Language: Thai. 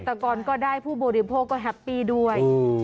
เกษตรกรก็ได้ผู้บริโภคก็แฮปปี้ด้วย